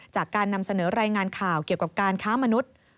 จากการนำเสนอรายงานข่าวเกี่ยวกับการค้ามนุษย์